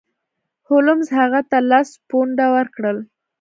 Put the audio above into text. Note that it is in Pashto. هولمز هغه ته لس پونډه ورکړل.